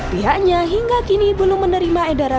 pihaknya hingga kini belum menerima edaran